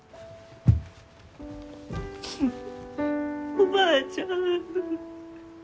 おばあちゃん。